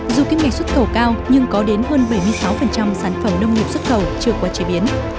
dù kiếm nghịch xuất khẩu cao nhưng có đến hơn bảy mươi sáu sản phẩm nông nghiệp xuất khẩu chưa qua chế biến